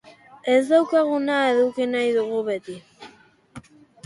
Ez daukaguna eduki nahi dugu, beti.